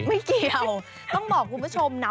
ไม่เกี่ยวต้องบอกคุณผู้ชมนะ